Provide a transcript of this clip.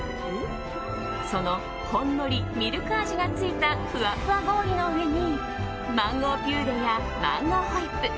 そのほんのりミルク味がついたふわふわ氷の上にマンゴーピューレやマンゴーホイップ